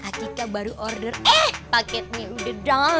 akita baru order eh paketnya udah dateng